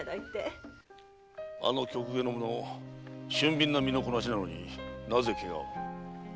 あの曲芸の者俊敏な身のこなしなのになぜケガを？